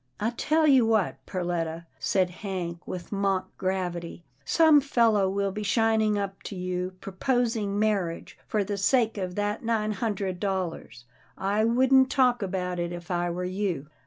" I tell you what, Perletta," said Hank with mock 306 'TILDA JANE'S ORPHANS gravity, " some fellow will be shining up to you, proposing marriage for the sake of that nine hun dred dollars — I wouldn't talk about it, if I were you."